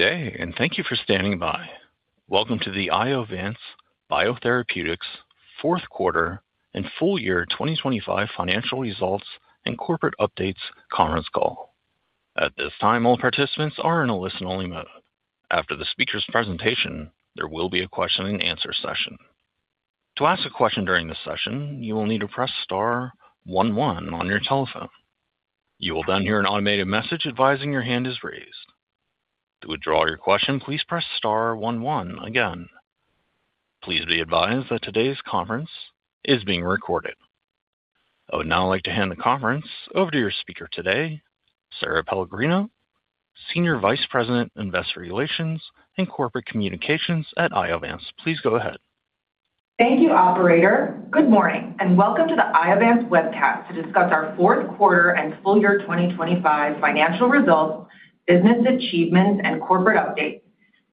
Good day. Thank you for standing by. Welcome to the Iovance Biotherapeutics fourth quarter and full year 2025 financial results and corporate updates conference call. At this time, all participants are in a listen-only mode. After the speaker's presentation, there will be a question and answer session. To ask a question during this session, you will need to press star one one on your telephone. You will hear an automated message advising your hand is raised. To withdraw your question, please press star one one again. Please be advised that today's conference is being recorded. I would now like to hand the conference over to your speaker today, Sara Pellegrino, Senior Vice President, Investor Relations and Corporate Communications at Iovance. Please go ahead. Thank you, operator. Good morning, welcome to the Iovance webcast to discuss our fourth quarter and full year 2025 financial results, business achievements, and corporate updates.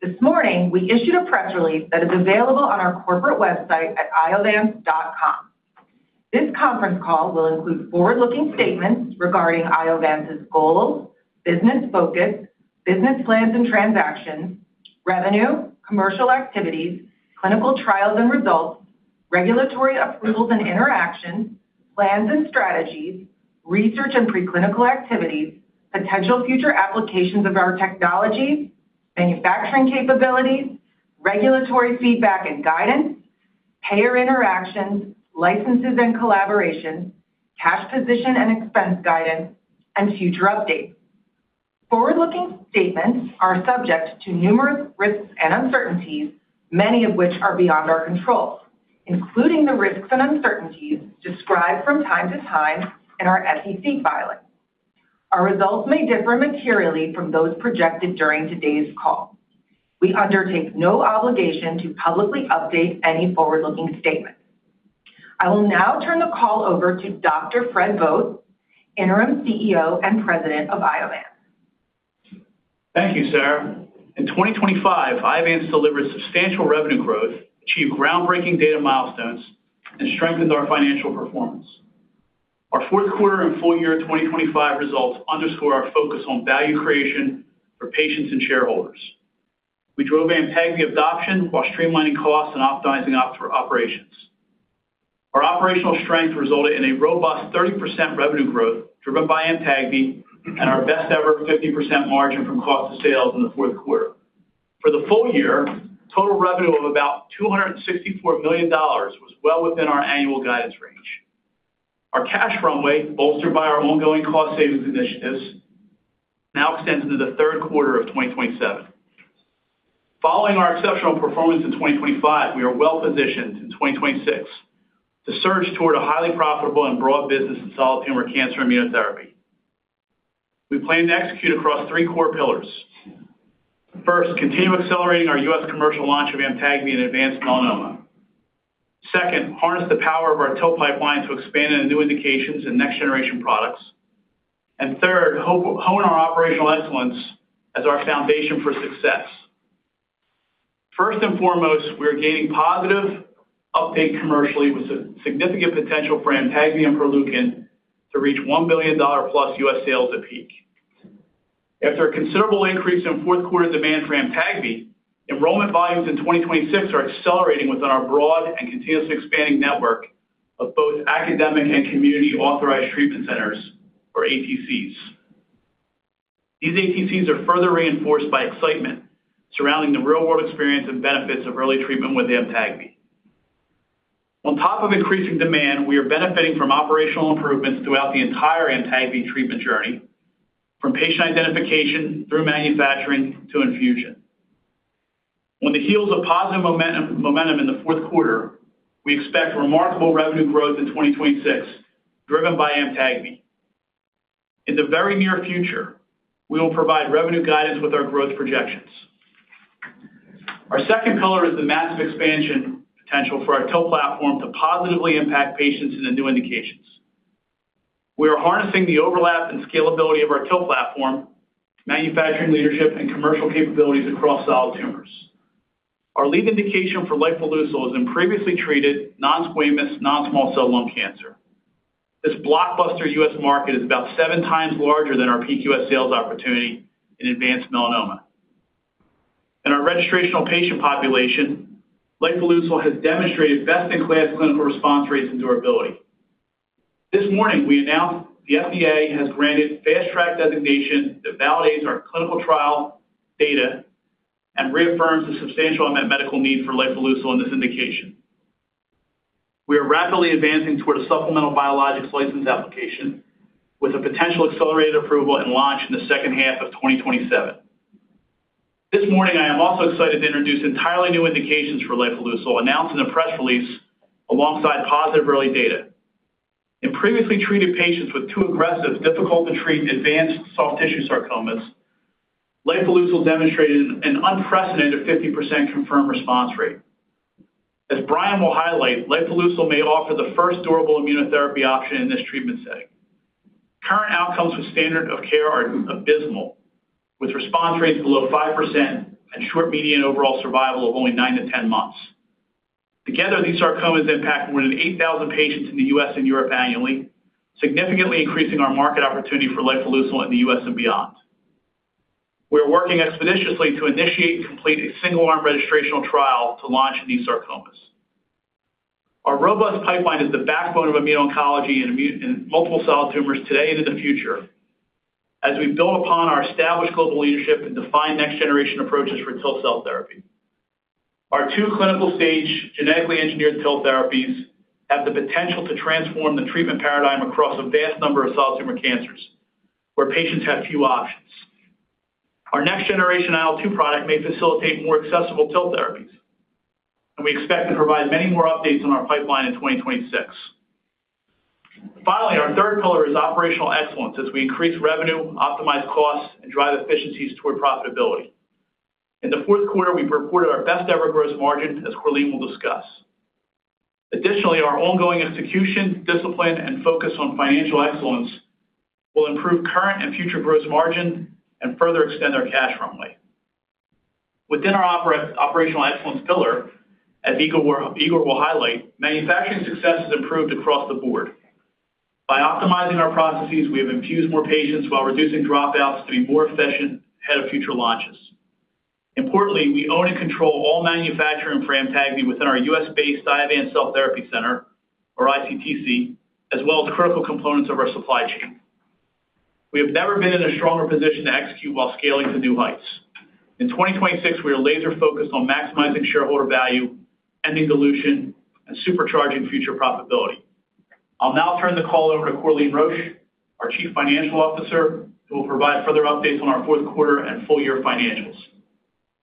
This morning, we issued a press release that is available on our corporate website at iovance.com. This conference call will include forward-looking statements regarding Iovance's goals, business focus, business plans and transactions, revenue, commercial activities, clinical trials and results, regulatory approvals and interactions, plans and strategies, research and preclinical activities, potential future applications of our technologies, manufacturing capabilities, regulatory feedback and guidance, payer interactions, licenses and collaborations, cash position and expense guidance, and future updates. Forward-looking statements are subject to numerous risks and uncertainties, many of which are beyond our control, including the risks and uncertainties described from time to time in our SEC filing. Our results may differ materially from those projected during today's call. We undertake no obligation to publicly update any forward-looking statements. I will now turn the call over to Dr. Frederick Vogt, Interim CEO and President of Iovance. Thank you, Sara. In 2025, Iovance delivered substantial revenue growth, achieved groundbreaking data milestones, and strengthened our financial performance. Our fourth quarter and full year 2025 results underscore our focus on value creation for patients and shareholders. We drove AMTAGVI adoption while streamlining costs and optimizing operations. Our operational strength resulted in a robust 30% revenue growth, driven by AMTAGVI and our best-ever 50% margin from cost of sales in the fourth quarter. For the full year, total revenue of about $264 million was well within our annual guidance range. Our cash runway, bolstered by our ongoing cost savings initiatives, now extends into the third quarter of 2027. Following our exceptional performance in 2025, we are well-positioned in 2026 to surge toward a highly profitable and broad business in solid tumor cancer immunotherapy. We plan to execute across three core pillars. First, continue accelerating our U.S. commercial launch of AMTAGVI in advanced melanoma. Second, harness the power of our TIL pipeline to expand into new indications and next-generation products. Third, hone our operational excellence as our foundation for success. First and foremost, we are gaining positive update commercially, with a significant potential for AMTAGVI and Proleukin to reach $1 billion-plus U.S. sales at peak. After a considerable increase in fourth quarter demand for AMTAGVI, enrollment volumes in 2026 are accelerating within our broad and continuously expanding network of both academic and community Authorized Treatment Centers or ATCs. These ATCs are further reinforced by excitement surrounding the real-world experience and benefits of early treatment with AMTAGVI. On top of increasing demand, we are benefiting from operational improvements throughout the entire AMTAGVI treatment journey, from patient identification through manufacturing to infusion. On the heels of positive momentum in the fourth quarter, we expect remarkable revenue growth in 2026, driven by AMTAGVI. In the very near future, we will provide revenue guidance with our growth projections. Our second pillar is the massive expansion potential for our TIL platform to positively impact patients in the new indications. We are harnessing the overlap and scalability of our TIL platform, manufacturing leadership, and commercial capabilities across solid tumors. Our lead indication for lifileucel is in previously treated non-squamous non-small cell lung cancer. This blockbuster U.S. market is about 7 times larger than our PQS sales opportunity in advanced melanoma. In our registrational patient population, lifileucel has demonstrated best-in-class clinical response rates and durability. This morning, we announced the FDA has granted Fast Track designation that validates our clinical trial data and reaffirms the substantial unmet medical need for lifileucel in this indication. We are rapidly advancing toward a supplemental Biologics License Application with a potential accelerated approval and launch in the second half of 2027. This morning, I am also excited to introduce entirely new indications for lifileucel, announced in a press release alongside positive early data. In previously treated patients with 2 aggressive, difficult-to-treat advanced soft tissue sarcomas, lifileucel demonstrated an unprecedented 50% confirmed response rate. As Brian will highlight, lifileucel may offer the first durable immunotherapy option in this treatment setting. Current outcomes with standard of care are abysmal, with response rates below 5% and short median overall survival of only 9-10 months. Together, these sarcomas impact more than 8,000 patients in the U.S. and Europe annually, significantly increasing our market opportunity for lifileucel in the U.S. and beyond. We are working expeditiously to initiate and complete a single-arm registrational trial to launch these sarcomas. Our robust pipeline is the backbone of immuno-oncology and multiple solid tumors today and in the future, as we build upon our established global leadership and define next-generation approaches for TIL cell therapy. Our two clinical stage genetically engineered TIL therapies have the potential to transform the treatment paradigm across a vast number of solid tumor cancers, where patients have few options. Our next-generation IL-2 product may facilitate more accessible TIL therapies. We expect to provide many more updates on our pipeline in 2026. Finally, our third pillar is operational excellence, as we increase revenue, optimize costs, and drive efficiencies toward profitability. In the fourth quarter, we've reported our best-ever gross margin, as Corleen will discuss. Additionally, our ongoing execution, discipline, and focus on financial excellence will improve current and future gross margin and further extend our cash runway. Within our operational excellence pillar, as Igor will highlight, manufacturing success has improved across the board. By optimizing our processes, we have infused more patients while reducing dropouts to be more efficient ahead of future launches. Importantly, we own and control all manufacturing for AMTAGVI within our U.S.-based Iovance Cell Therapy Center, or ICTC, as well as critical components of our supply chain. We have never been in a stronger position to execute while scaling to new heights. In 2026, we are laser-focused on maximizing shareholder value, ending dilution, and supercharging future profitability. I'll now turn the call over to Corleen Roche, our Chief Financial Officer, who will provide further updates on our fourth quarter and full-year financials.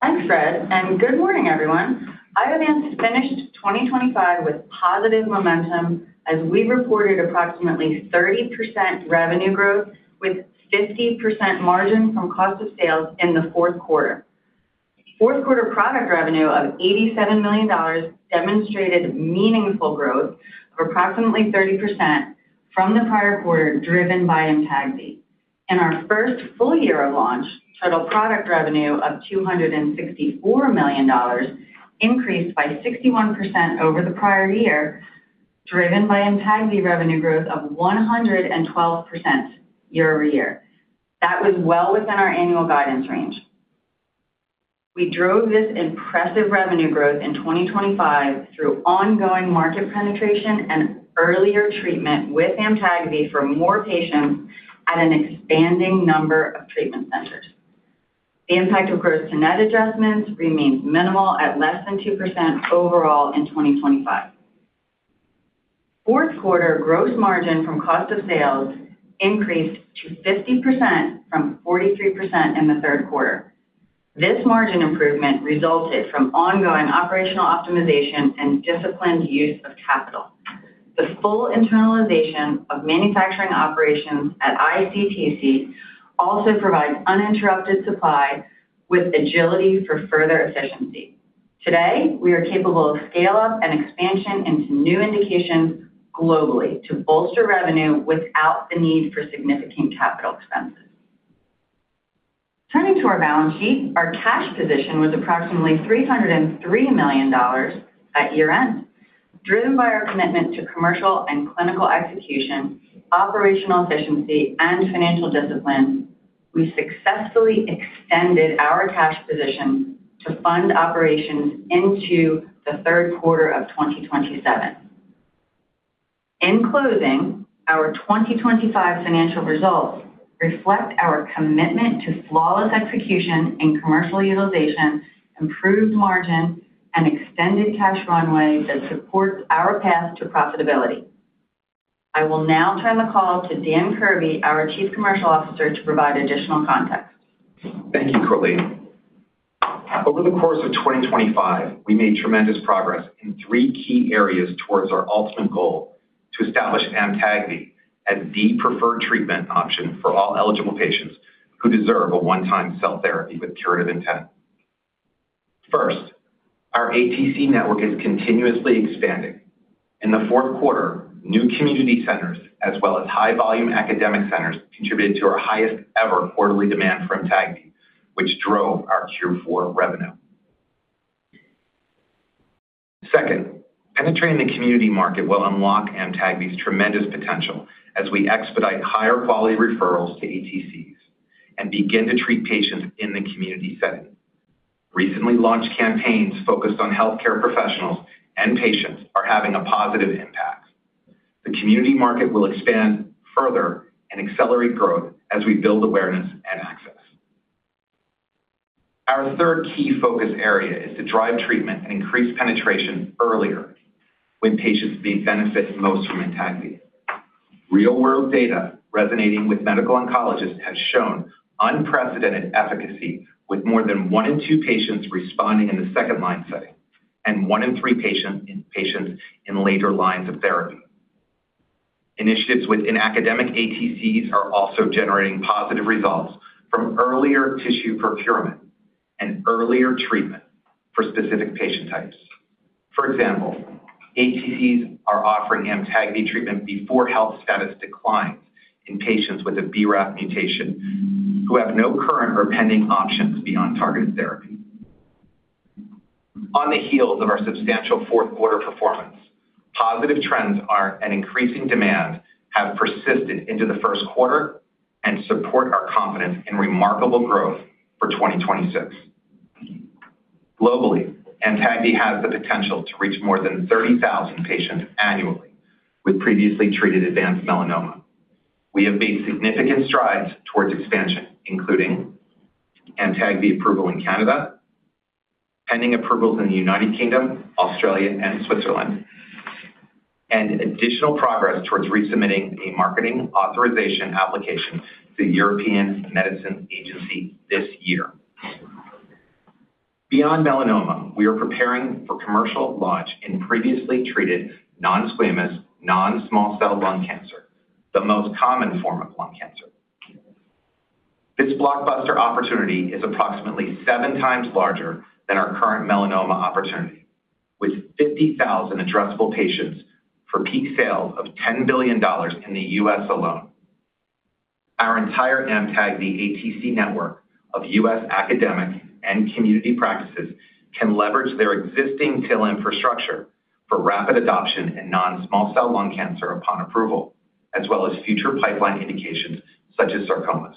Thanks, Fred, and good morning, everyone. Iovance finished 2025 with positive momentum as we reported approximately 30% revenue growth with 50% margin from cost of sales in the fourth quarter. Fourth quarter product revenue of $87 million demonstrated meaningful growth of approximately 30% from the prior quarter, driven by AMTAGVI. In our first full year of launch, total product revenue of $264 million increased by 61% over the prior year, driven by AMTAGVI revenue growth of 112% year-over-year. That was well within our annual guidance range. We drove this impressive revenue growth in 2025 through ongoing market penetration and earlier treatment with AMTAGVI for more patients at an expanding number of treatment centers. The impact of gross to net adjustments remains minimal at less than 2% overall in 2025. Fourth quarter gross margin from cost of sales increased to 50% from 43% in the third quarter. This margin improvement resulted from ongoing operational optimization and disciplined use of capital. The full internalization of manufacturing operations at ICTC also provides uninterrupted supply with agility for further efficiency. Today, we are capable of scale-up and expansion into new indications globally to bolster revenue without the need for significant capital expenses. Turning to our balance sheet, our cash position was approximately $303 million at year-end. Driven by our commitment to commercial and clinical execution, operational efficiency, and financial discipline, we successfully extended our cash position to fund operations into the third quarter of 2027. In closing, our 2025 financial results reflect our commitment to flawless execution and commercial utilization, improved margin, and extended cash runway that supports our path to profitability. I will now turn the call to Dan Kirby, our Chief Commercial Officer, to provide additional context. Thank you, Corleen. Over the course of 2025, we made tremendous progress in three key areas towards our ultimate goal to establish AMTAGVI as the preferred treatment option for all eligible patients who deserve a one-time cell therapy with curative intent. First, our ATC network is continuously expanding. In the fourth quarter, new community centers as well as high-volume academic centers contributed to our highest-ever quarterly demand for AMTAGVI, which drove our Q4 revenue. Second, penetrating the community market will unlock AMTAGVI's tremendous potential as we expedite higher-quality referrals to ATCs and begin to treat patients in the community setting. Recently launched campaigns focused on healthcare professionals and patients are having a positive impact. The community market will expand further and accelerate growth as we build awareness and access. Our third key focus area is to drive treatment and increase penetration earlier when patients benefit most from AMTAGVI. Real-world data resonating with medical oncologists has shown unprecedented efficacy, with more than 1 in 2 patients responding in the second-line setting and 1 in 3 patients in later lines of therapy. Initiatives within academic ATCs are also generating positive results from earlier tissue procurement and earlier treatment for specific patient types. ATCs are offering AMTAGVI treatment before health status declines in patients with a BRAF mutation, who have no current or pending options beyond targeted therapy. On the heels of our substantial fourth quarter performance, positive trends and increasing demand have persisted into the first quarter and support our confidence in remarkable growth for 2026. Globally, AMTAGVI has the potential to reach more than 30,000 patients annually with previously treated advanced melanoma. We have made significant strides towards expansion, including AMTAGVI approval in Canada, pending approvals in the U.K., Australia, and Switzerland, and additional progress towards resubmitting a Marketing Authorization Application to the European Medicines Agency this year. Beyond melanoma, we are preparing for commercial launch in previously treated non-squamous non-small cell lung cancer, the most common form of lung cancer. This blockbuster opportunity is approximately seven times larger than our current melanoma opportunity, with 50,000 addressable patients for peak sales of $10 billion in the U.S. alone. Our entire AMTAGVI ATC network of U.S. academic and community practices can leverage their existing TIL infrastructure for rapid adoption in non-small cell lung cancer upon approval, as well as future pipeline indications such as sarcomas.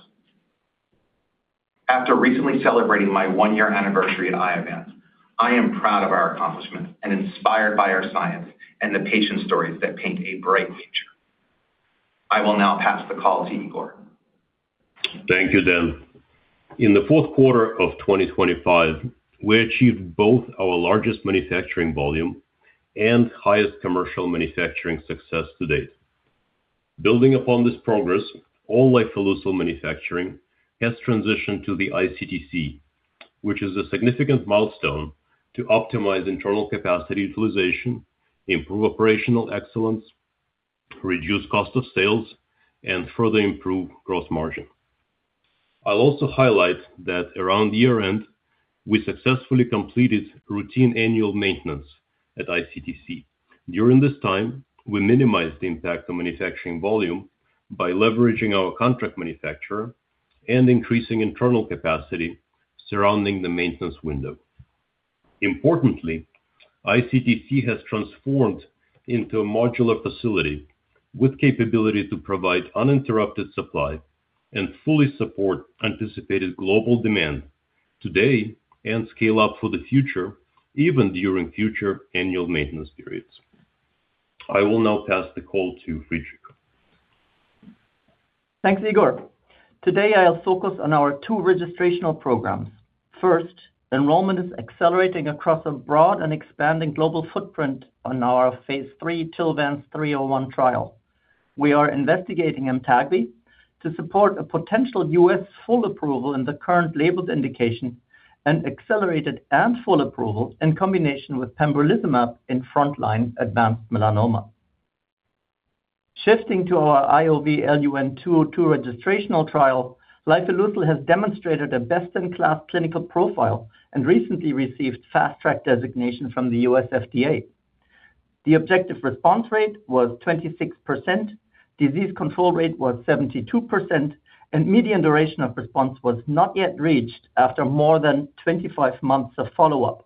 After recently celebrating my one-year anniversary at Iovance, I am proud of our accomplishments and inspired by our science and the patient stories that paint a bright future. I will now pass the call to Igor. Thank you, Dan. In the fourth quarter of 2025, we achieved both our largest manufacturing volume and highest commercial manufacturing success to date. Building upon this progress, all lifileucel manufacturing has transitioned to the ICTC, which is a significant milestone to optimize internal capacity utilization, improve operational excellence, reduce cost of sales, and further improve gross margin. I'll also highlight that around year-end, we successfully completed routine annual maintenance at ICTC. During this time, we minimized the impact on manufacturing volume by leveraging our contract manufacturer and increasing internal capacity surrounding the maintenance window. Importantly, ICTC has transformed into a modular facility with capability to provide uninterrupted supply and fully support anticipated global demand today and scale up for the future, even during future annual maintenance periods. I will now pass the call to Friedrich. Thanks, Igor. Today, I'll focus on our two registrational programs. First, enrollment is accelerating across a broad and expanding global footprint on our phase 3 TILVANCE-301 trial. We are investigating AMTAGVI to support a potential U.S. full approval in the current labeled indication and accelerated and full approval in combination with pembrolizumab in frontline advanced melanoma. Shifting to our IOV-LUN-202 registrational trial, lifileucel has demonstrated a best-in-class clinical profile and recently received Fast Track designation from the U.S. FDA. The objective response rate was 26%, disease control rate was 72%, and median duration of response was not yet reached after more than 25 months of follow-up.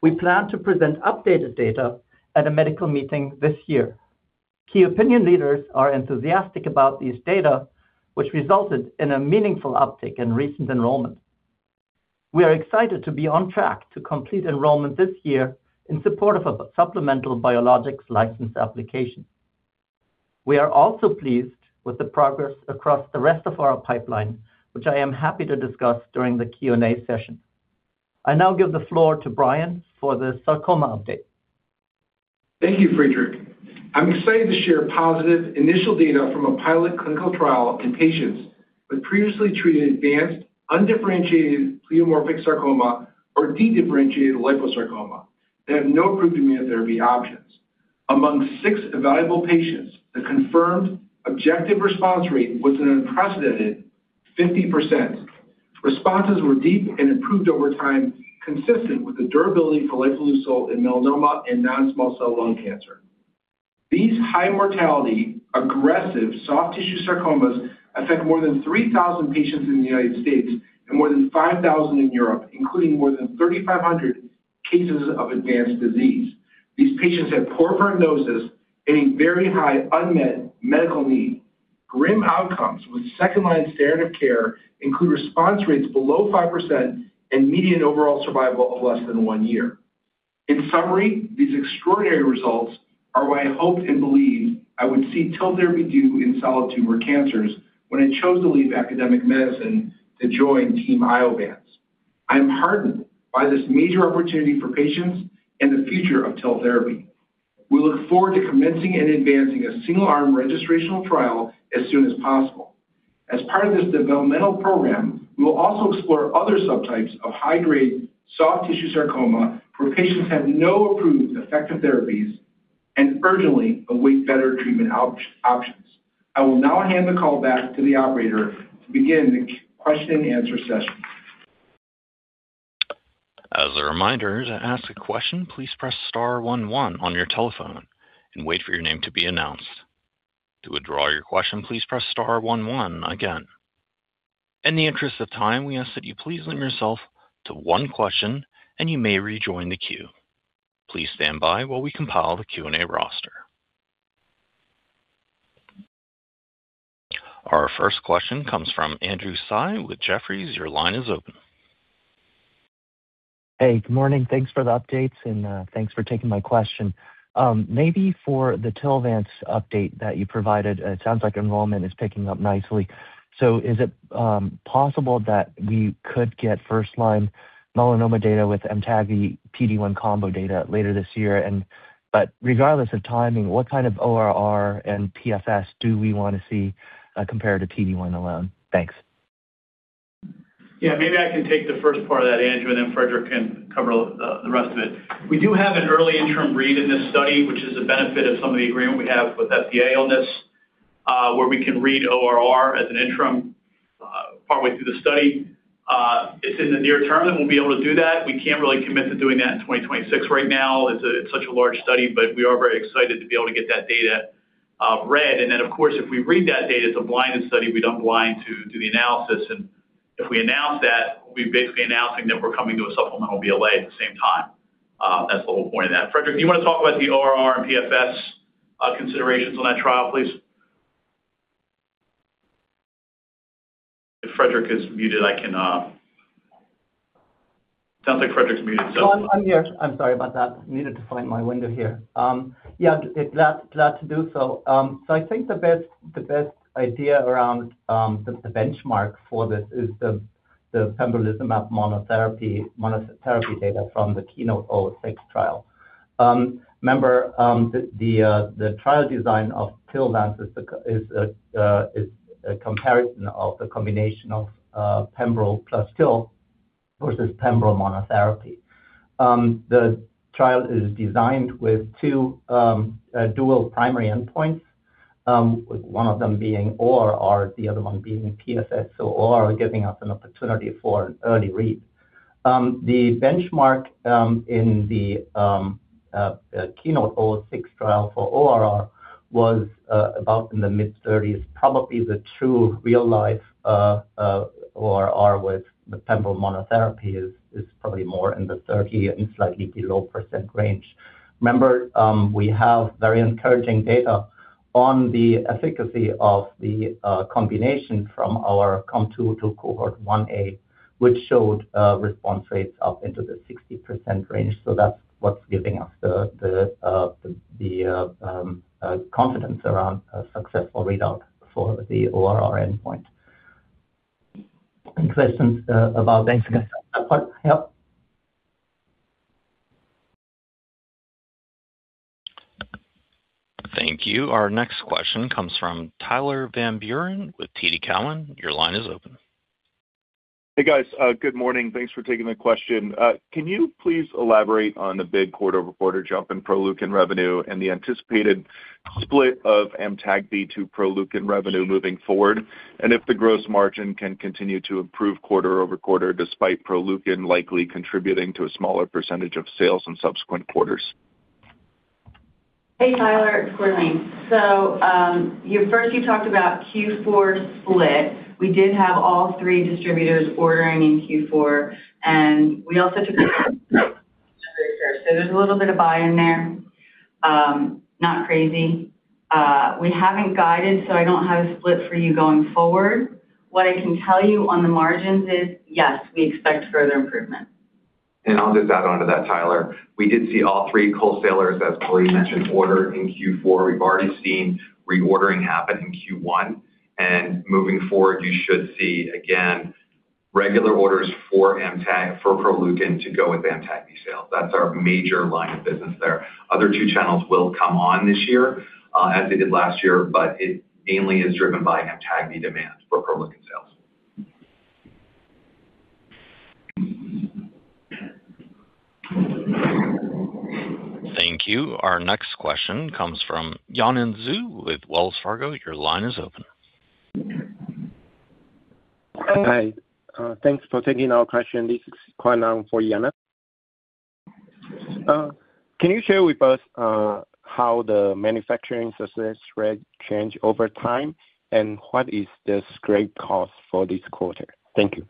We plan to present updated data at a medical meeting this year. Key opinion leaders are enthusiastic about these data, which resulted in a meaningful uptick in recent enrollment. We are excited to be on track to complete enrollment this year in support of a supplemental Biologics License Application. We are also pleased with the progress across the rest of our pipeline, which I am happy to discuss during the Q&A session. I now give the floor to Brian for the sarcoma update. Thank you, Friedrich. I'm excited to share positive initial data from a pilot clinical trial in patients with previously treated advanced undifferentiated pleomorphic sarcoma or dedifferentiated liposarcoma. They have no approved immune therapy options. Among six evaluable patients, the confirmed objective response rate was an unprecedented 50%. Responses were deep and improved over time, consistent with the durability for lifileucel in melanoma and non-small cell lung cancer. These high-mortality, aggressive soft tissue sarcomas affect more than 3,000 patients in the United States and more than 5,000 in Europe, including more than 3,500 cases of advanced disease. These patients have poor prognosis and a very high unmet medical need. Grim outcomes with second-line standard of care include response rates below 5% and median overall survival of less than one year. In summary, these extraordinary results are what I hoped and believed I would see TIL therapy do in solid tumor cancers when I chose to leave academic medicine to join Team Iovance. I am heartened by this major opportunity for patients and the future of TIL therapy. We look forward to commencing and advancing a single-arm registrational trial as soon as possible. As part of this developmental program, we will also explore other subtypes of high-grade soft tissue sarcoma, where patients have no approved effective therapies and urgently await better treatment options. I will now hand the call back to the operator to begin the question and answer session. As a reminder, to ask a question, please press star one one on your telephone and wait for your name to be announced. To withdraw your question, please press star one one again. In the interest of time, we ask that you please limit yourself to one question, and you may rejoin the queue. Please stand by while we compile the Q&A roster. Our first question comes from Andrew Tsai with Jefferies. Your line is open. Hey, good morning. Thanks for the updates, and thanks for taking my question. Maybe for the TILVANCE update that you provided, it sounds like enrollment is picking up nicely. Is it possible that we could get first-line melanoma data with AMTAGVI PD-1 combo data later this year? Regardless of timing, what kind of ORR and PFS do we want to see compared to PD-1 alone? Thanks. Yeah, maybe I can take the first part of that, Andrew, and then Friedrich can cover the rest of it. We do have an early interim read in this study, which is a benefit of some of the agreement we have with FDA on this, where we can read ORR as an interim partway through the study. It's in the near term, and we'll be able to do that. We can't really commit to doing that in 2026 right now. It's such a large study, but we are very excited to be able to get that data read. Of course, if we read that data, it's a blinded study. We don't blind to the analysis, and if we announce that, we're basically announcing that we're coming to a supplemental BLA at the same time. That's the whole point of that. Frederick, do you want to talk about the ORR and PFS considerations on that trial, please? If Frederick is muted, I can. Sounds like Frederick's muted. No, I'm here. I'm sorry about that. I needed to find my window here. Yeah, glad to do so. So I think the best idea around the benchmark for this is the pembrolizumab monotherapy data from the KEYNOTE-006 trial. Remember, the trial design of TILVANCE is a comparison of the combination of pembro plus TIL versus pembro monotherapy. The trial is designed with two dual primary endpoints, with one of them being ORR, the other one being PFS, so ORR giving us an opportunity for an early read. The benchmark in the KEYNOTE-006 trial for ORR was about in the mid-30s, probably the true real-life ORR with the pembro monotherapy is probably more in the 30 and slightly below % range. Remember, we have very encouraging data on the efficacy of the combination from our C-02 Cohort 1A, which showed response rates up into the 60% range, so that's what's giving us the confidence around a successful readout for the ORR endpoint. Any questions about that? Yep. Thank you. Our next question comes from Tyler Van Buren with TD Cowen. Your line is open. Hey, guys, good morning. Thanks for taking the question. Can you please elaborate on the big quarter-over-quarter jump in Proleukin revenue and the anticipated split of AMTAGVI to Proleukin revenue moving forward, and if the gross margin can continue to improve quarter-over-quarter, despite Proleukin likely contributing to a smaller % of sales in subsequent quarters? Hey, Tyler, it's Corleen. you first, you talked about Q4 split. We did have all three distributors ordering in Q4, and we also took there's a little bit of buy in there. Not crazy. We haven't guided, so I don't have a split for you going forward. What I can tell you on the margins is, yes, we expect further improvement. I'll just add on to that, Tyler. We did see all three wholesalers, as Corleen mentioned, order in Q4. We've already seen reordering happen in Q1. Moving forward, you should see, again, regular orders for Proleukin to go with AMTAGVI sales. That's our major line of business there. Other two channels will come on this year, as they did last year, it mainly is driven by AMTAGVI demand for Proleukin sales. Thank you. Our next question comes from Yanan Zhu with Wells Fargo. Your line is open. Hi. Thanks for taking our question. This is Xiaochuan for Yanan. Can you share with us, how the manufacturing success rate change over time, and what is the scrap cost for this quarter? Thank you.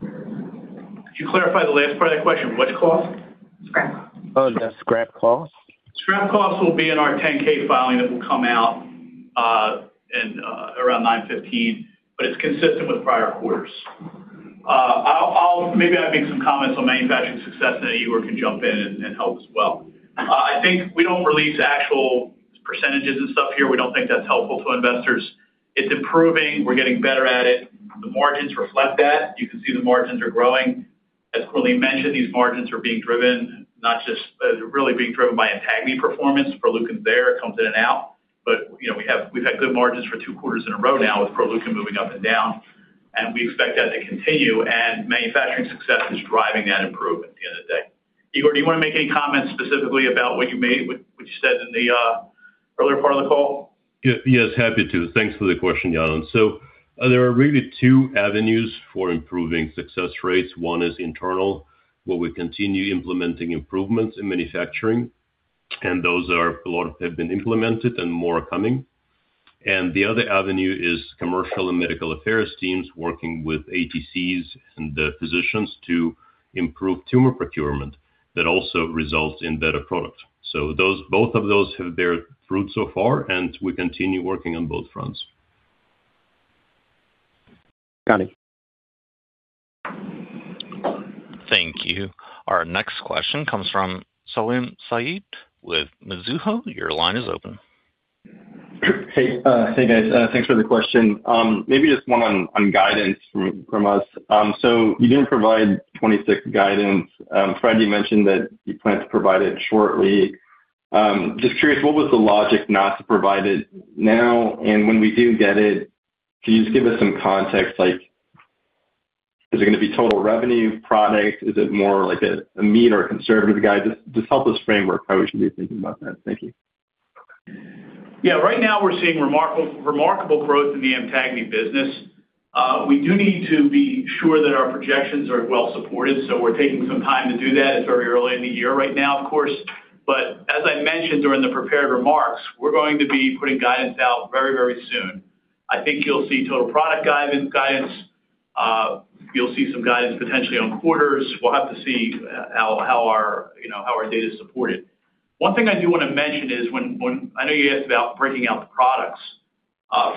Could you clarify the last part of that question? Which cost? Scrap. Oh, the scrap cost. Scrap cost will be in our 10-K filing that will come out, in, around 9/15. It's consistent with prior quarters. Maybe I'll make some comments on manufacturing success, and any of you can jump in and help as well. I think we don't release actual percentages and stuff here. We don't think that's helpful to investors. It's improving. We're getting better at it. The margins reflect that. You can see the margins are growing. As Corlene mentioned, these margins are being driven, not just, really being driven by AMTAGVI performance. Proleukin is there, it comes in and out, but, you know, we've had good margins for 2 quarters in a row now with Proleukin moving up and down, and we expect that to continue. Manufacturing success is driving that improvement at the end of the day. Igor, do you want to make any comments specifically about what you made, what you said in the earlier part of the call? Yes, happy to. Thanks for the question, Xiao. There are really 2 avenues for improving success rates. One is internal, where we continue implementing improvements in manufacturing, a lot have been implemented and more are coming. The other avenue is commercial and medical affairs teams working with ATCs and the physicians to improve tumor procurement. That also results in better product. Those both of those have bear fruit so far, and we continue working on both fronts. Got it. Thank you. Our next question comes from Salim Syed with Mizuho. Your line is open. Hey, hey, guys, thanks for the question. Maybe just one on guidance from us. You didn't provide 2026 guidance. Friday, you mentioned that you plan to provide it shortly. Just curious, what was the logic not to provide it now? When we do get it, can you just give us some context, like, is it gonna be total revenue product? Is it more like a mean or a conservative guide? Just help us framework how we should be thinking about that. Thank you. Yeah, right now we're seeing remarkable growth in the AMTAGVI business. We do need to be sure that our projections are well supported, so we're taking some time to do that. It's very early in the year right now, of course, but as I mentioned during the prepared remarks, we're going to be putting guidance out very, very soon. I think you'll see total product guidance. You'll see some guidance potentially on quarters. We'll have to see how our, you know, how our data is supported. One thing I do wanna mention is when I know you asked about breaking out the products.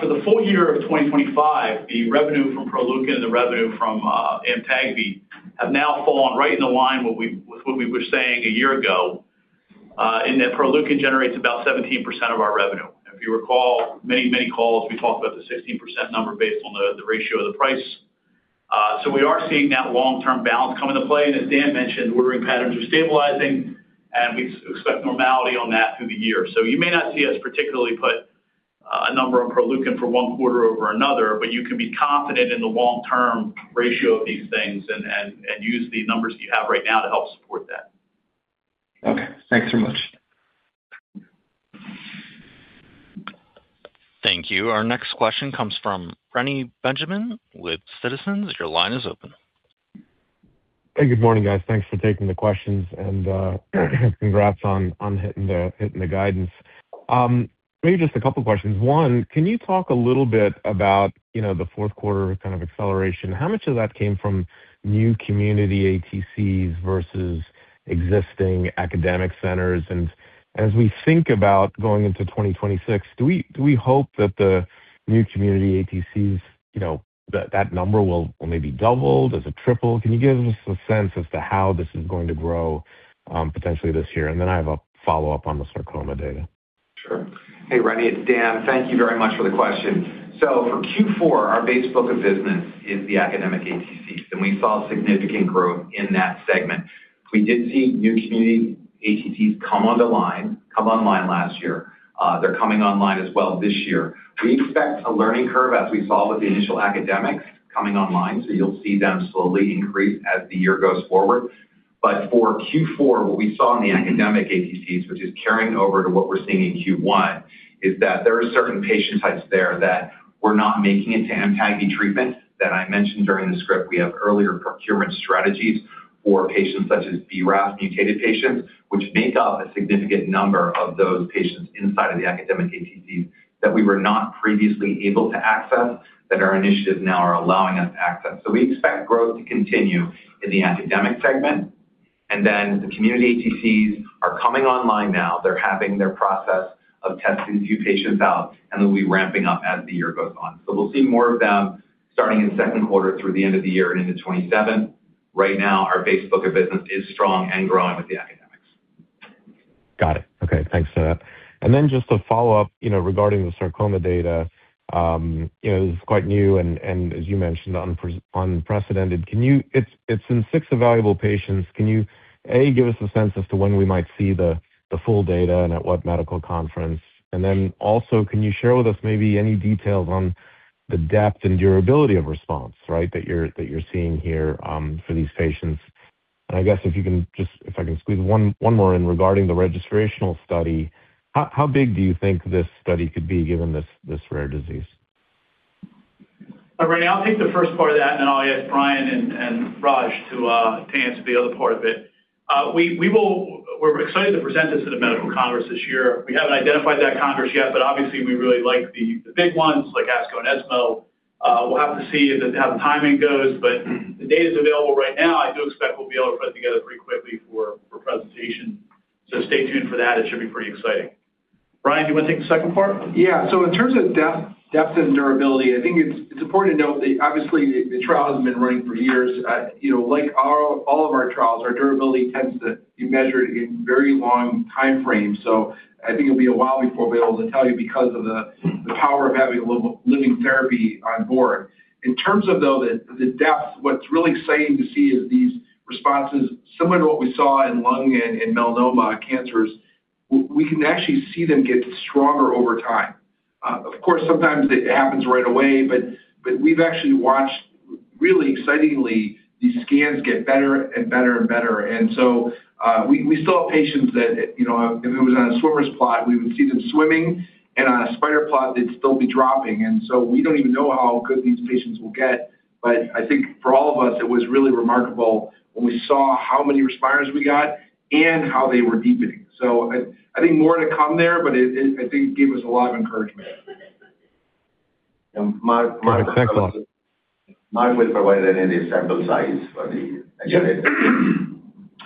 For the full year of 2025, the revenue from Proleukin and the revenue from AMTAGVI have now fallen right in the line with what we were saying a year ago, and that Proleukin generates about 17% of our revenue. If you recall, many calls, we talked about the 16% number based on the ratio of the price. We are seeing that long-term balance come into play. As Dan mentioned, ordering patterns are stabilizing, and we expect normality on that through the year. You may not see us particularly put a number on Proleukin for one quarter over another, but you can be confident in the long-term ratio of these things and use the numbers you have right now to help support that. Okay. Thanks very much. Thank you. Our next question comes from Reni Benjamin with Citizens. Your line is open. Hey, good morning, guys. Thanks for taking the questions, and congrats on hitting the guidance. Maybe just a couple of questions. One, can you talk a little bit about, you know, the fourth quarter kind of acceleration? How much of that came from new community ATCs versus existing academic centers? As we think about going into 2026, do we hope that the new community ATCs, you know, that number will maybe double? Does it triple? Can you give us some sense as to how this is going to grow potentially this year? Then I have a follow-up on the sarcoma data. Sure. Hey, Reni, it's Dan. Thank you very much for the question. For Q4, our base book of business is the academic ATCs, and we saw significant growth in that segment. We did see new community ATCs come online last year. They're coming online as well this year. We expect a learning curve as we saw with the initial academics coming online, so you'll see them slowly increase as the year goes forward. For Q4, what we saw in the academic ATCs, which is carrying over to what we're seeing in Q1, is that there are certain patient types there that were not making it to AMTAGVI treatment that I mentioned during the script. We have earlier procurement strategies for patients such as BRAF-mutated patients, which make up a significant number of those patients inside of the academic ATCs that we were not previously able to access, that our initiatives now are allowing us to access. We expect growth to continue in the academic segment. The community ATCs are coming online now. They're having their process of testing a few patients out, and they'll be ramping up as the year goes on. We'll see more of them starting in second quarter through the end of the year and into 2027. Right now, our base book of business is strong and growing with the academics. Got it. Okay, thanks for that. And then just to follow up, you know, regarding the sarcoma data, you know, it's quite new and unprecedented. Can you, A, give us a sense as to when we might see the full data and at what medical conference? And then also, can you share with us maybe any details on the depth and durability of response, right, that you're seeing here for these patients? And I guess if you can just if I can squeeze one more in regarding the registrational study, how big do you think this study could be given this rare disease? All right, I'll take the first part of that, then I'll ask Brian and Raj to answer the other part of it. We're excited to present this to the medical congress this year. We haven't identified that congress yet, obviously, we really like the big ones, like ASCO and ESMO. We'll have to see how the timing goes, the data is available right now. I do expect we'll be able to put it together pretty quickly for presentation. Stay tuned for that. It should be pretty exciting. Brian, do you wanna take the second part? Yeah. In terms of depth and durability, I think it's important to note that obviously, the trial hasn't been running for years. You know, like all of our trials, our durability tends to be measured in very long time frames. I think it'll be a while before we're able to tell you because of the power of having a living therapy on board. In terms of, though, the depth, what's really exciting to see is these responses, similar to what we saw in lung and in melanoma cancers. We can actually see them get stronger over time. Of course, sometimes it happens right away, but we've actually watched, really excitingly, these scans get better and better and better. We, we saw patients that, you know, if it was on a swimmer plot, we would see them swimming, and on a spider plot, they'd still be dropping. We don't even know how good these patients will get. I think for all of us, it was really remarkable when we saw how many responders we got and how they were deepening. I think more to come there, but it, I think, gave us a lot of encouragement. Mark. Thanks a lot. Mark, would provide any sample size for. Yeah.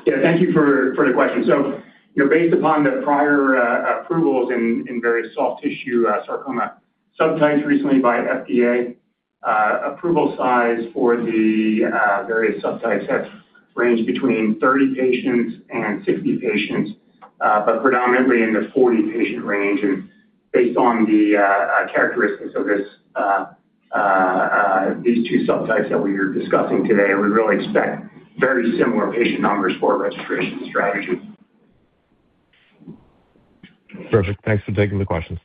Yeah, thank you for the question. you know, based upon the prior approvals in very soft tissue sarcoma subtypes recently by FDA, approval size for the various subtypes has ranged between 30 patients and 60 patients, but predominantly in the 40-patient range. Based on the characteristics of these two subtypes that we are discussing today, we really expect very similar patient numbers for our registration strategy. Perfect. Thanks for taking the questions.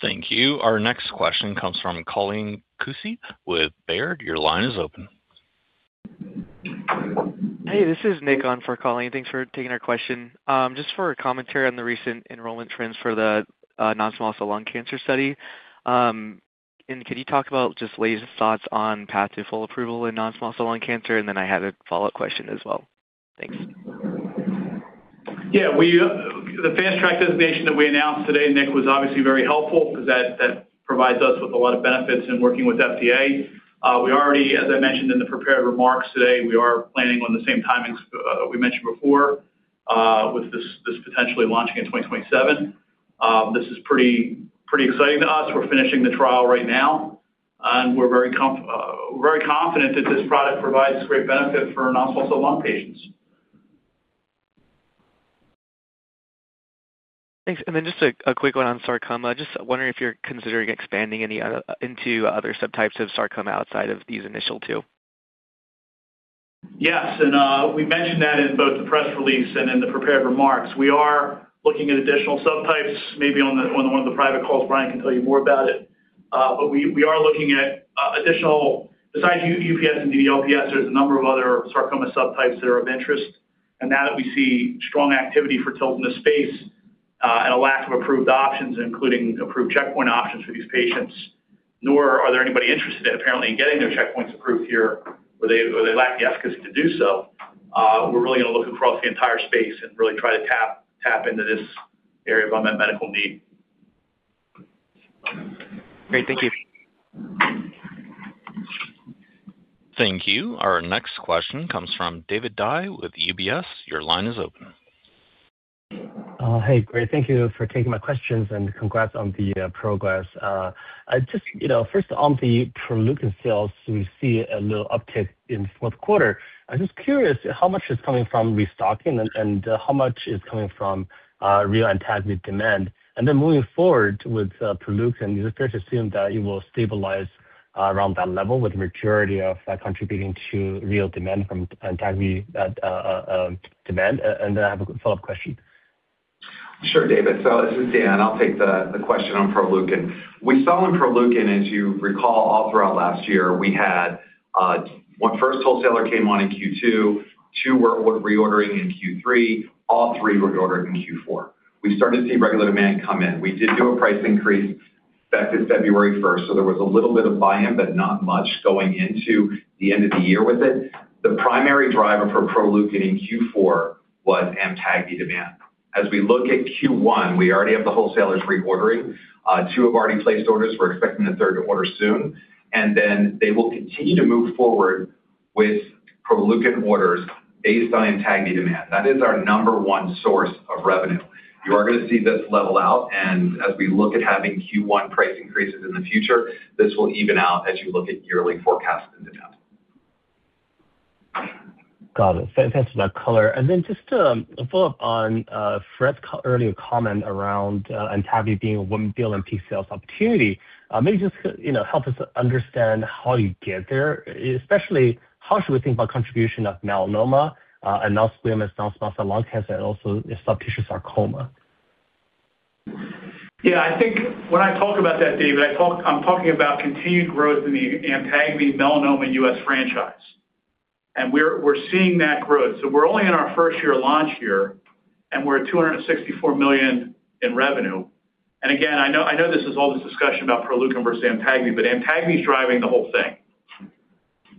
Thank you. Our next question comes from Colleen Kusy with Baird. Your line is open. Hey, this is Nick on for Colleen. Thanks for taking our question. Just for a commentary on the recent enrollment trends for the non-small cell lung cancer study. Could you talk about just latest thoughts on path to full approval in non-small cell lung cancer? I had a follow-up question as well. Thanks. We, the Fast Track designation that we announced today, Nick, was obviously very helpful because that provides us with a lot of benefits in working with FDA. We already, as I mentioned in the prepared remarks today, we are planning on the same timings we mentioned before with this potentially launching in 2027. This is pretty exciting to us. We're finishing the trial right now, and we're very confident that this product provides great benefit for non-small cell lung patients. Thanks. Just a quick one on sarcoma. Just wondering if you're considering expanding into other subtypes of sarcoma outside of these initial two? Yes, we mentioned that in both the press release and in the prepared remarks. We are looking at additional subtypes, maybe on one of the private calls, Brian can tell you more about it. We are looking at additional. Besides UPS and DDLPS, there's a number of other sarcoma subtypes that are of interest. Now that we see strong activity for TIL in the space, and a lack of approved options, including approved checkpoint options for these patients, nor are there anybody interested in apparently in getting their checkpoints approved here, or they, or they lack the efficacy to do so. We're really going to look across the entire space and really try to tap into this area of unmet medical need. Great, thank you. Thank you. Our next question comes from David Dai with UBS. Your line is open. Hey, great. Thank you for taking my questions, and congrats on the progress. I just, you know, first on the Proleukin sales, we see a little uptick in fourth quarter. I'm just curious, how much is coming from restocking and how much is coming from real AMTAGVI demand? Then moving forward with Proleukin, is it fair to assume that it will stabilize around that level with the maturity of that contributing to real demand from AMTAGVI demand? I have a follow-up question. Sure, David. This is Dan, I'll take the question on Proleukin. We saw in Proleukin, as you recall, all throughout last year, we had one first wholesaler came on in Q2, two were reordering in Q3, all three were reordered in Q4. We started to see regular demand come in. We did do a price increase back to February first, so there was a little bit of buy-in, but not much going into the end of the year with it. The primary driver for Proleukin in Q4 was AMTAGVI demand. As we look at Q1, we already have the wholesalers reordering. Two have already placed orders. We're expecting the third to order soon, then they will continue to move forward with Proleukin orders based on AMTAGVI demand. That is our number one source of revenue. You are going to see this level out. As we look at having Q1 price increases in the future, this will even out as you look at yearly forecasts into time. Got it. Thanks for that color. Just, a follow-up on Fred's earlier comment around AMTAGVI being a $1 billion peak sales opportunity. Maybe just, you know, help us understand how you get there, especially how should we think about contribution of melanoma, and non-squamous non-small cell lung cancer, and also the soft tissue sarcoma? Yeah, I think when I talk about that, David, I'm talking about continued growth in the AMTAGVI melanoma U.S. franchise, and we're seeing that growth. We're only in our first year of launch here, and we're at $264 million in revenue. Again, I know this is all this discussion about Proleukin versus AMTAGVI, but AMTAGVI is driving the whole thing.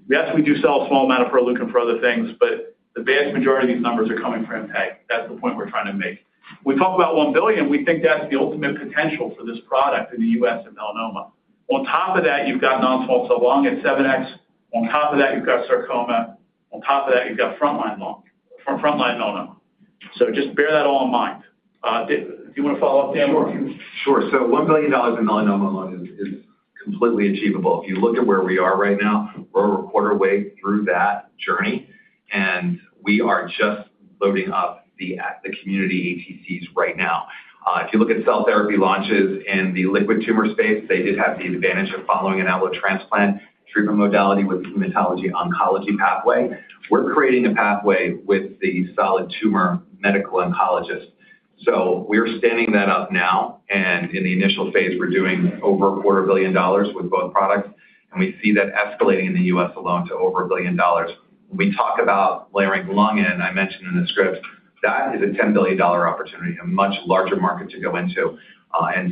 Yes, we do sell a small amount of Proleukin for other things, but the vast majority of these numbers are coming from Amtag. That's the point we're trying to make. We talk about $1 billion, we think that's the ultimate potential for this product in the U.S. and melanoma. On top of that, you've got non-small cell lung at 7x. On top of that, you've got sarcoma. On top of that, you've got frontline melanoma. Just bear that all in mind. Do you want to follow up, Dan? Sure. Sure. $1 billion in melanoma alone is completely achievable. If you look at where we are right now, we're a quarter way through that journey, and we are just loading up the community ATCs right now. If you look at cell therapy launches in the liquid tumor space, they did have the advantage of following an allotransplant treatment modality with hematology oncology pathway. We're creating a pathway with the solid tumor medical oncologist. We're standing that up now, and in the initial phase, we're doing over a quarter billion dollars with both products, and we see that escalating in the U.S. alone to over $1 billion. When we talk about layering lung in, I mentioned in the script, that is a $10 billion opportunity, a much larger market to go into.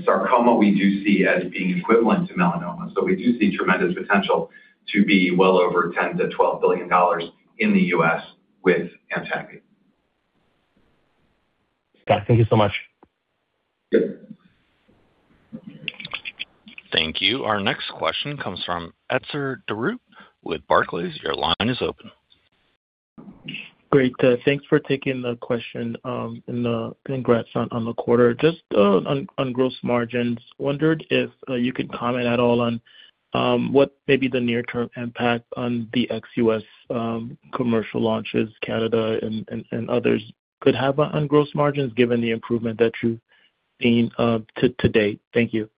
Sarcoma we do see as being equivalent to melanoma, so we do see tremendous potential to be well over $10 billion-$12 billion in the U.S. with AMTAGVI. Scott, thank you so much. Good. Thank you. Our next question comes from Etzer Darout with Barclays. Your line is open. Great, thanks for taking the question. Congrats on the quarter. Just, on gross margins, wondered if you could comment at all on, what may be the near term impact on the ex-U.S., commercial launches, Canada and others, could have on gross margins, given the improvement that you've seen, to date? Thank you.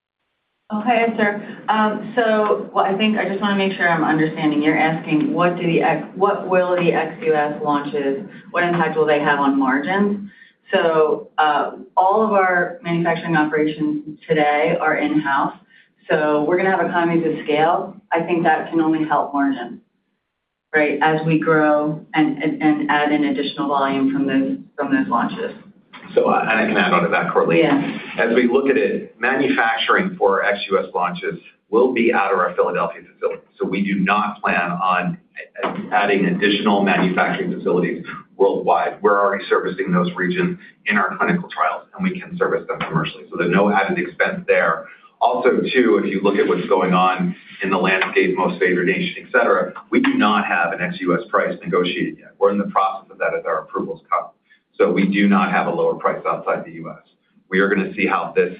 Okay, Etzer. Well, I think I just wanna make sure I'm understanding. You're asking, what will the ex-U.S. launches, what impact will they have on margins? All of our manufacturing operations today are in-house, so we're gonna have economies of scale. I think that can only help margins, right? As we grow and add in additional volume from those launches. Can I add on to that quickly? Yeah. As we look at it, manufacturing for our ex-U.S. launches will be out of our Philadelphia facility. We do not plan on adding additional manufacturing facilities worldwide. We're already servicing those regions in our clinical trials, and we can service them commercially, so there's no added expense there. Also, too, if you look at what's going on in the landscape, most-favored nation, et cetera, we do not have an ex-U.S. price negotiated yet. We're in the process of that as our approvals come. We do not have a lower price outside the U.S. We are going to see how this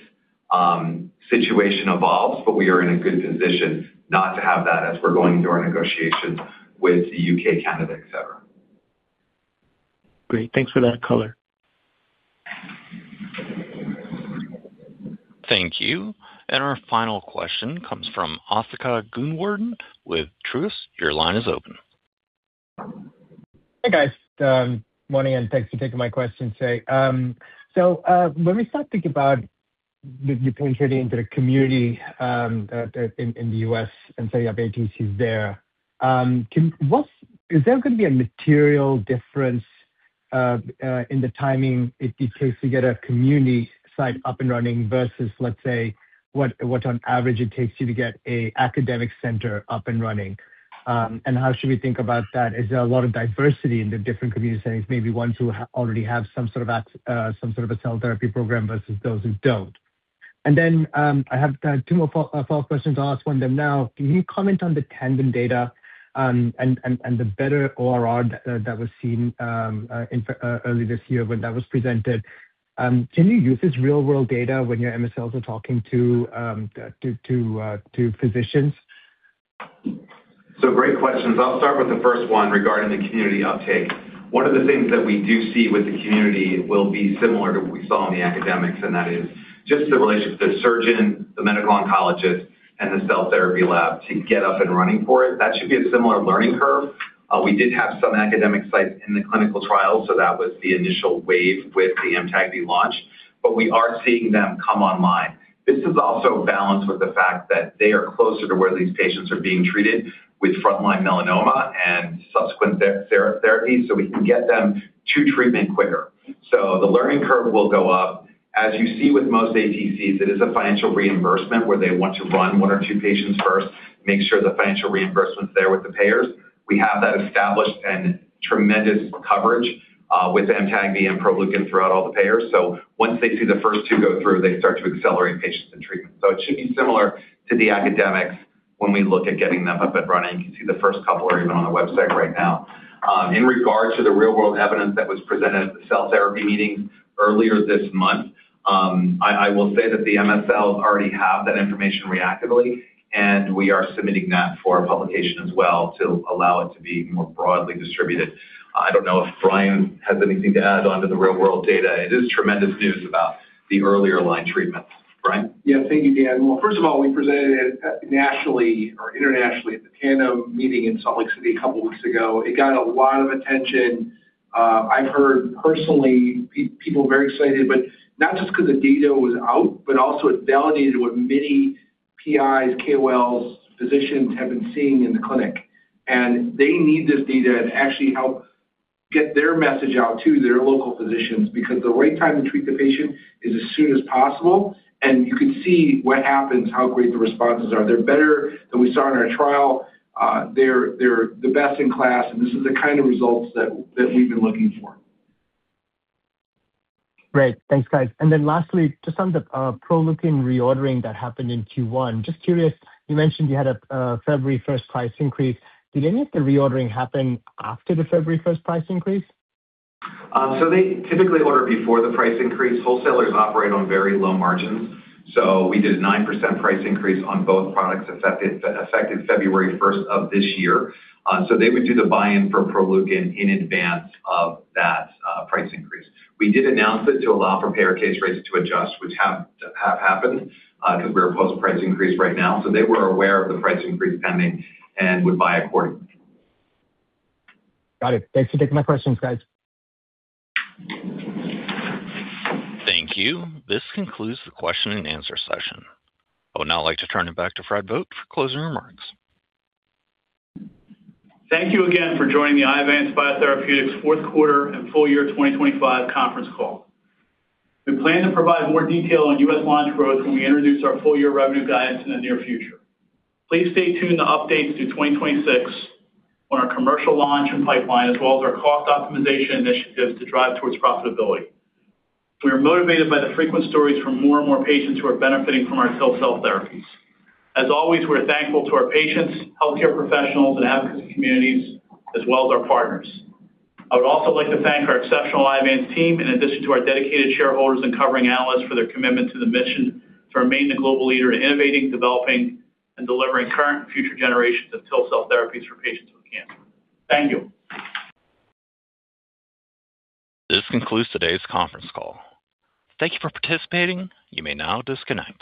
situation evolves, but we are in a good position not to have that as we're going into our negotiations with the U.K., Canada, et cetera. Great, thanks for that color. Thank you. Our final question comes from Asthika Goonewardene with Truist. Your line is open. Hey, guys, morning, thanks for taking my question today. When we start thinking about the, you penetrating into the community, in the U.S. and setting up ATCs there, is there gonna be a material difference in the timing it takes to get a community site up and running versus, let's say, what on average it takes you to get an academic center up and running? How should we think about that? Is there a lot of diversity in the different community settings, maybe ones who already have some sort of a cell therapy program versus those who don't? I have 2 more follow-up questions. I'll ask one of them now. Can you comment on the Tandem data, and the better ORR that was seen early this year when that was presented? Can you use this real-world data when your MSLs are talking to physicians? Great questions. I'll start with the first one regarding the community uptake. One of the things that we do see with the community will be similar to what we saw in the academics, and that is just the relationship with the surgeon, the medical oncologist, and the cell therapy lab to get up and running for it. That should be a similar learning curve. We did have some academic sites in the clinical trial, so that was the initial wave with the AMTAGVI launch, but we are seeing them come online. This is also balanced with the fact that they are closer to where these patients are being treated with frontline melanoma and subsequent therapies, so we can get them to treatment quicker. The learning curve will go up. As you see with most ATCs, it is a financial reimbursement where they want to run one or two patients first, make sure the financial reimbursement is there with the payers. We have that established and tremendous coverage with AMTAGVI and Proleukin throughout all the payers. Once they see the first two go through, they start to accelerate patients in treatment. It should be similar to the academics when we look at getting them up and running. You can see the first couple are even on our website right now. In regards to the real-world evidence that was presented at the cell therapy meeting earlier this month, I will say that the MSLs already have that information reactively, and we are submitting that for publication as well to allow it to be more broadly distributed. I don't know if Brian has anything to add on to the real-world data. It is tremendous news about the earlier line treatment. Brian? Yeah, thank you, Dan. Well, first of all, we presented it nationally or internationally at the Tandem meeting in Salt Lake City couple a weeks ago. It got a lot of attention. I've heard personally people very excited, but not just because the data was out, but also it validated what many PIs, KOLs, physicians have been seeing in the clinic. They need this data to actually help get their message out to their local physicians, because the right time to treat the patient is as soon as possible, and you can see what happens, how great the responses are. They're better than we saw in our trial. They're the best in class, and this is the kind of results that we've been looking for. Great. Thanks, guys. Then lastly, to sum up, Proleukin reordering that happened in Q1. Just curious, you mentioned you had a February 1st price increase. Did any of the reordering happen after the February 1st price increase? They typically order before the price increase. Wholesalers operate on very low margins, we did a 9% price increase on both products, affected February 1st of this year. They would do the buy-in for Proleukin in advance of that price increase. We did announce it to allow for payer case rates to adjust, which have happened, because we're a post-price increase right now. They were aware of the price increase coming and would buy accordingly. Got it. Thanks for taking my questions, guys. Thank you. This concludes the question and answer session. I would now like to turn it back to Fred Vogt for closing remarks. Thank you again for joining the Iovance Biotherapeutics fourth quarter and full year 2025 conference call. We plan to provide more detail on U.S. launch growth when we introduce our full-year revenue guidance in the near future. Please stay tuned to updates through 2026 on our commercial launch and pipeline, as well as our cost optimization initiatives to drive towards profitability. We are motivated by the frequent stories from more and more patients who are benefiting from our cell therapies. As always, we're thankful to our patients, healthcare professionals, and advocacy communities, as well as our partners. I would also like to thank our exceptional Iovance team, in addition to our dedicated shareholders and covering analysts for their commitment to the mission to remain the global leader in innovating, developing, and delivering current and future generations of cell therapies for patients with cancer. Thank you. This concludes today's conference call. Thank you for participating. You may now disconnect.